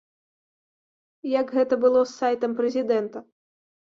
Як гэта было з сайтам прэзідэнта.